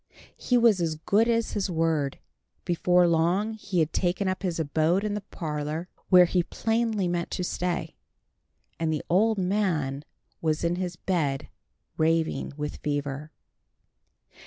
He was as good as his word. Before long he had taken up his abode in the parlour, where he plainly meant to stay; and the old man was in his bed raving with fever.